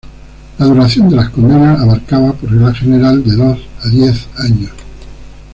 La duración de las condenas abarcaba, por regla general, de dos a diez años.